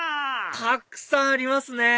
たくさんありますね